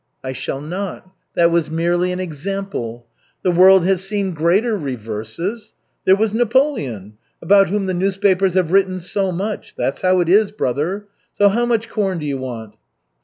"I shall not. That was merely an example. The world has seen greater reverses. There was Napoleon, about whom the newspapers have written so much. That's how it is, brother. So how much corn do you want?"